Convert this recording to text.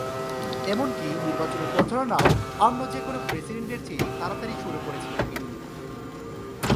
এমনকি নির্বাচনী প্রচারণাও অন্য যেকোনো প্রেসিডেন্টের চেয়ে তাড়াতাড়ি শুরু করেছেন তিনি।